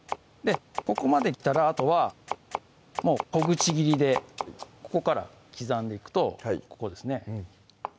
ここまで来たらあとはもう小口切りでここから刻んでいくとここですね